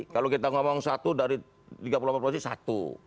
kalau kita ngomong satu dari tiga puluh delapan provinsi satu